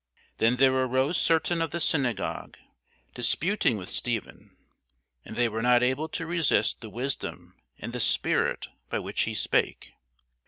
Then there arose certain of the synagogue, disputing with Stephen. And they were not able to resist the wisdom and the spirit by which he spake.